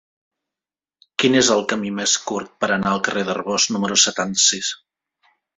Quin és el camí més curt per anar al carrer d'Arbós número setanta-sis?